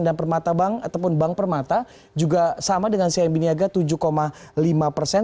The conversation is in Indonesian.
dan permata bank ataupun bank permata juga sama dengan si amb niaga tujuh lima persen